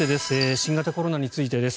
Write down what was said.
新型コロナについてです。